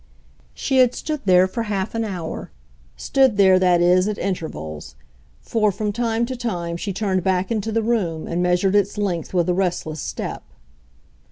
She had stood there for half an hour—stood there, that is, at intervals; for from time to time she turned back into the room and measured its length with a restless step.